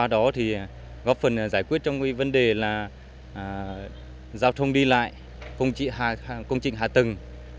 đó thì góp phần giải quyết trong vấn đề là giao thông đi lại công trình hạ tầng